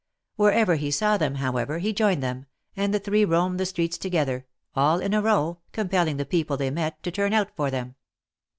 Wherever he saw them, however, he joined them, and the three roamed the streets together, all in a row, com pelling the people they met, to turn out for them.